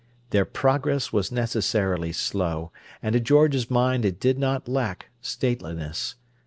Their progress was necessarily slow, and to George's mind it did not lack stateliness.